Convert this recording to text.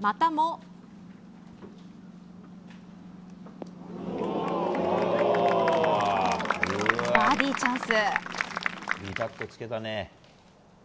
またもバーディーチャンス。